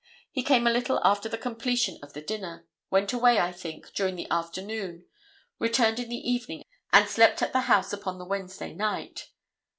He came a little after the completion of the dinner; went away, I think, during the afternoon, returned in the evening and slept at the house upon the Wednesday night.